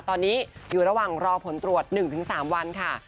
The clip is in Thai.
ตอนนี้อยู่ระหว่างรอผลตรวจ๑๓วันค่ะ